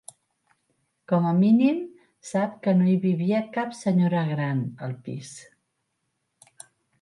Com a mínim sap que no hi vivia cap senyora gran, al pis.